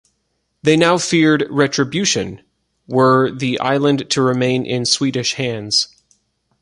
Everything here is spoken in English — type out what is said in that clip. They now feared retribution, were the island to remain in Swedish hands.